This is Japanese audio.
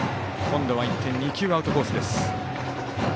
今度は一転、２球アウトコースです。